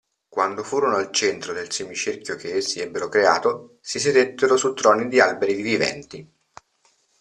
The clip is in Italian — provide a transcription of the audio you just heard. Quando furono al centro del semicerchio che essi ebbero creato, si sedettero su troni di alberi viventi.